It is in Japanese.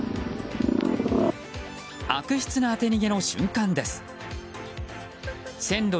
悪質な当て逃げの瞬間です。